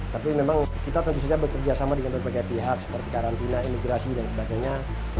tapi memang kita tentu saja bekerja sama dengan berbagai pihak seperti karantina imigrasi dan sebagainya